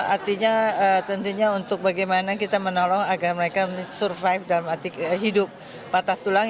artinya tentunya untuk bagaimana kita menolong agar mereka survive dalam hidup patah tulang